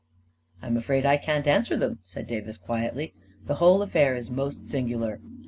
" I'm afraid I can't answer them," said Davis, quietly. " The whole affair is most singular."